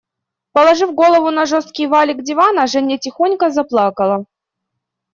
Положив голову на жесткий валик дивана, Женя тихонько заплакала.